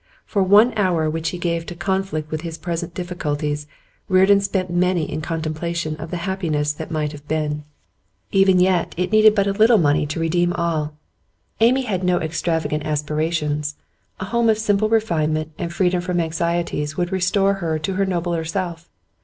For one hour which he gave to conflict with his present difficulties, Reardon spent many in contemplation of the happiness that might have been. Even yet, it needed but a little money to redeem all. Amy had no extravagant aspirations; a home of simple refinement and freedom from anxiety would restore her to her nobler self.